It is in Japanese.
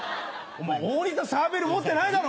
大仁田サーベル持ってないだろ！